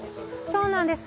そうなんです。